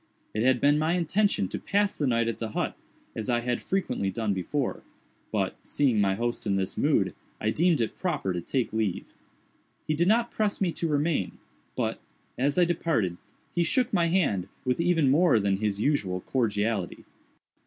It had been my intention to pass the night at the hut, as I had frequently done before, but, seeing my host in this mood, I deemed it proper to take leave. He did not press me to remain, but, as I departed, he shook my hand with even more than his usual cordiality.